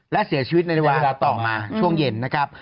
และเสียชีวิตในเวลาต่อมาช่วงเย็นนะครับ